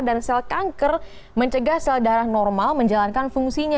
dan sel kanker mencegah sel darah normal menjalankan fungsinya